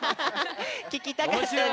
ききたかったね。